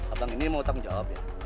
abang ini mau tanggung jawab ya